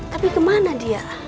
tapi kemana dia